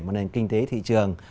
một nền kinh tế thị trường